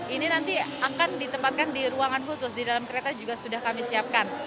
ini nanti akan ditempatkan di ruangan khusus di dalam kereta juga sudah kami siapkan